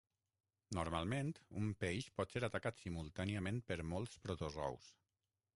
Normalment un peix pot ser atacat simultàniament per molts protozous.